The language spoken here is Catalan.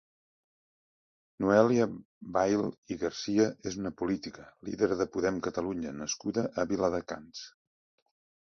Noelia Bail i García és una política, líder de Podem Catalunya nascuda a Viladecans.